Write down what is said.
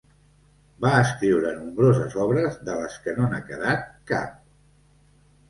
Va escriure nombroses obres, de les que no n'ha quedat cap.